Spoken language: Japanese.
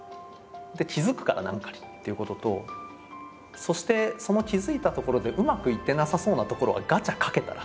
で気付くから何かに」っていうことと「そしてその気付いたところでうまくいってなさそうなところはガチャかけたら？